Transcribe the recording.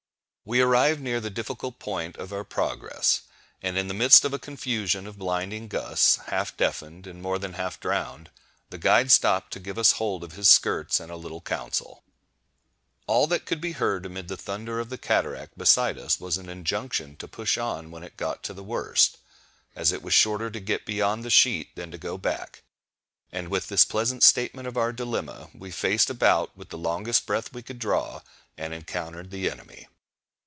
We arrived near the difficult point of our progress; and in the midst of a confusion of blinding gusts, half deafened, and more than half drowned, the guide stopped to give us a hold of his skirts and a little counsel. All that could be heard amid the thunder of the cataract beside us was an injunction to push on when it got to the worst, as it was shorter to get beyond the sheet than to go back; and with this pleasant statement of our dilemma, we faced about with the longest breath we could draw, and encountered the enemy.